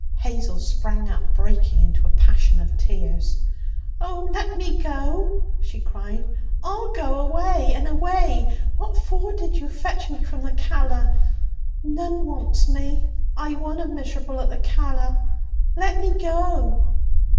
Hazel sprang up, breaking into a passion of tears. 'Oh, let me go!' she cried. 'I'll go away and away! What for did you fetch me from the Calla? None wants me. I wunna miserable at the Calla. Let me go!'